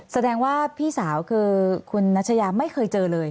แสดงว่าพี่สาวคือคุณนัชยาไม่เคยเจอเลย